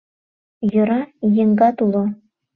Йӧра, еҥгат уло.